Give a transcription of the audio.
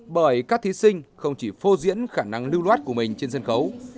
bởi các thí sinh không chỉ phô diễn khả năng lưu loát của mình trên sân khấu